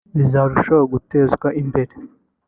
bizarushaho gutezwa imbere